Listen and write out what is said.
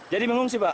jadi mengungsi pak